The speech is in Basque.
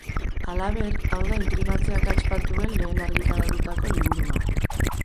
Halaber, hau da inprimatze akats bat duen lehen argitaratutako liburua.